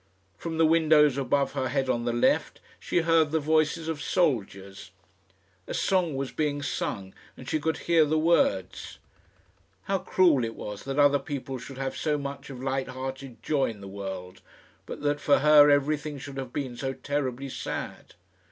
From the windows above her head on the left, she heard the voices of soldiers. A song was being sung, and she could hear the words. How cruel it was that other people should have so much of light hearted joy in the world, but that for her everything should have been so terribly sad!